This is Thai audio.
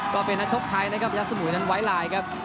ใครนะครับพระเจ้าสมุยนั้นไว้ลายครับ